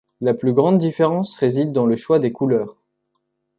La plus grande différence réside dans le choix des couleurs.